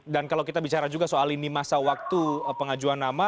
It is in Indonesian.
dan kalau kita bicara juga soal ini masa waktu pengajuan nama